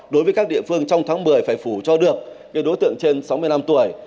đối với các địa phương trong tháng một mươi phải phủ cho được những đối tượng trên sáu mươi năm tuổi